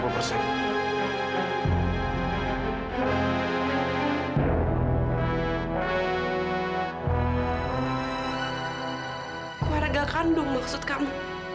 keluarga kandung maksud kamu